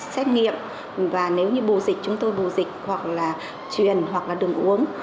xét nghiệm và nếu như bù dịch chúng tôi bù dịch hoặc là truyền hoặc là đường uống